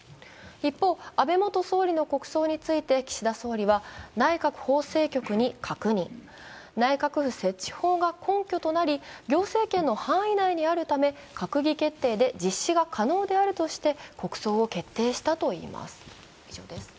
一方、安倍元総理の国葬について岸田総理は、内閣法制局に確認、内閣府設置法が根拠となり、行政権の範囲内にあるため閣議決定で実施が可能であるとして国葬を決定したといいます。